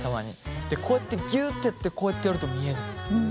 でこうやってギュってやってこうやってやると見えんのよ。